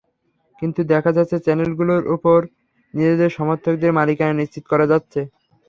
কিন্তু দেখা যাচ্ছে, চ্যানেলগুলোর ওপর নিজেদের সমর্থকদের মালিকানা নিশ্চিত করা যাচ্ছে।